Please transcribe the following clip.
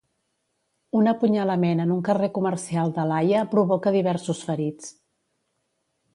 Un apunyalament en un carrer comercial de l'Haia provoca diversos ferits.